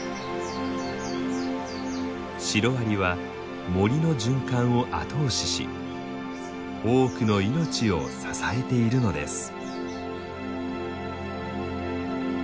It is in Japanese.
シロアリは森の循環を後押しし多くの命を支えているのです。